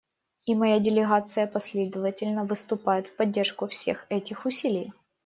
И моя делегация последовательно выступает в поддержку всех этих усилий.